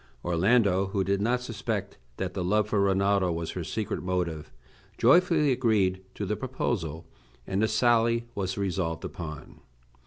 Orlando, who did not suspect that love for Rinaldo was her secret motive, joyfully agreed to the proposal, and the sally was resolved upon.